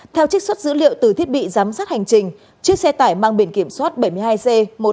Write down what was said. theo trích xuất dữ liệu từ thiết bị giám sát hành trình chiếc xe tải mang biển kiểm soát bảy mươi hai c một mươi hai nghìn tám trăm hai mươi hai